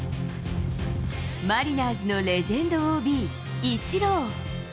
マリナーズのレジェンドＯＢ、イチロー。